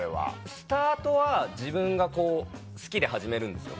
スタートは自分がこう好きで始めるんですよ。